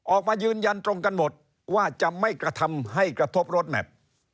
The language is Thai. ออกมายืนยันตรงกันหมดว่าจะไม่กระทำให้กระทบรถแมพ